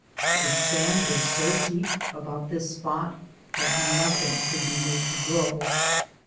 The sand was so deep about this spot that noth ing could be made to grow.